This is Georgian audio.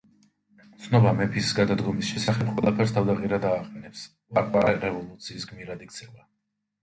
ცნობა მეფის გადადგომის შესახებ ყველაფერს თავდაყირა დააყენებს, ყვარყვარე რევოლუციის გმირად იქცევა.